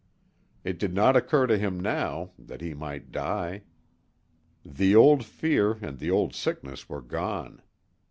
It did not occur to him now that he might die. The old fear and the old sickness were gone.